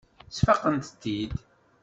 Sfaqent-t-id.